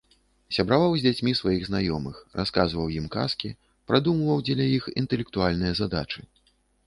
Сябраваў з дзяцьмі сваіх знаёмых, расказваў ім казкі, прадумваў дзеля іх інтэлектуальныя задачы.